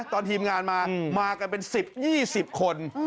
ตอนทีมงานมามากันเป็นสิบยี่สิบคน